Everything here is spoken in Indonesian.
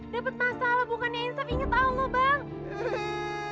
dapet masalah bukannya insaf inget allah bang